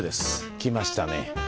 きましたね。